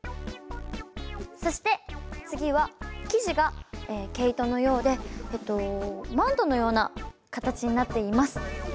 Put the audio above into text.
そして次は生地が毛糸のようでマントのような形になっています。